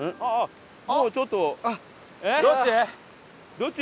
どっち？